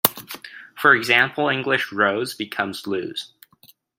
For example, English "rose" becomes "lose".